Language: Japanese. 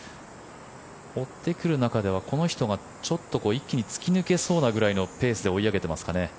追ってくる中ではこの人がちょっと一気に突き抜けそうなぐらいのペースで追い上げていますかね。